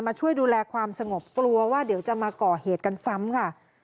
ช่วยดูแลความสงบกลัวว่าเดี๋ยวจะมาก่อเหตุกันซ้ำค่ะ